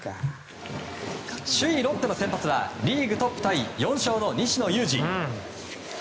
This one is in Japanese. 首位ロッテの先発はリーグトップタイ４勝の西野勇士。